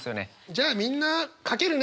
じゃあみんな書けるね！